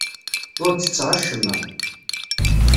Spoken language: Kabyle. Ur ttesseɣ acemma.